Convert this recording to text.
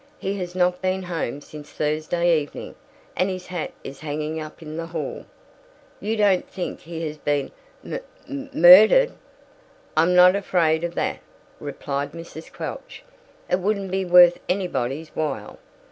He has not been home since Thursday evening, and his hat is hanging up in the hall." "You don't think he has been m m murdered?" "I'm not afraid of that," replied Mrs. Quelch, "it wouldn't be worth anybody's while.